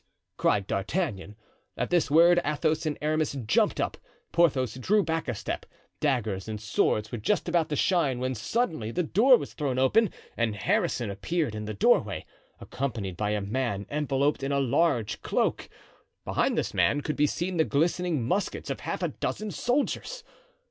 cried D'Artagnan. At this word Athos and Aramis jumped up. Porthos drew back a step. Daggers and swords were just about to shine, when suddenly the door was thrown open and Harrison appeared in the doorway, accompanied by a man enveloped in a large cloak. Behind this man could be seen the glistening muskets of half a dozen soldiers.